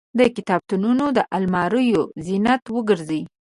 د کتابتونونو د الماریو زینت وګرځي.